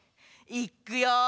いっくよ！